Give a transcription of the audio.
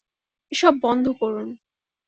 এসব বন্ধ করুন।